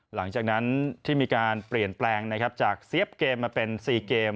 หลังจากนั้นที่มีการเปลี่ยนแปลงนะครับจากเสียบเกมมาเป็น๔เกม